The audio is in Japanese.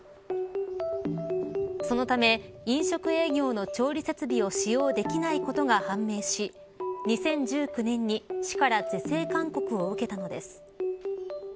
そのため飲食営業の調理設備を使用できないことが判明し２０１９年に、市から是正勧告を受けたのです。